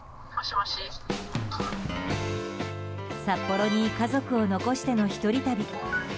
札幌に家族を残しての１人旅。